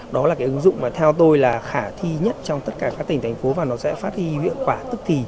đó là ứng dụng theo tôi là khả thi nhất trong tất cả các tỉnh thành phố và nó sẽ phát hiện hiệu quả tức thì